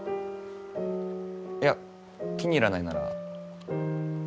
いや気に入らないなら。